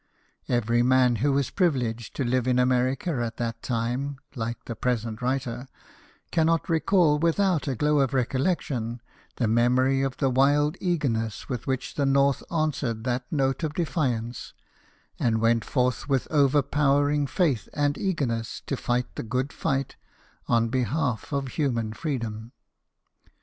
Every man who was privileged to live in America at that time (like the present writer) cannot recall without a glow of recollection the memory of the wild eagerness with which the JAMES GARFIELD, CANAL BOY, 155 North answered that note of defiance, and went forrh with overpowering faith and eagerness to fight the good fight on behalf of human freedom.